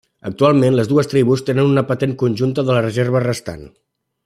Actualment les dues tribus tenen una patent conjunta de la reserva restant.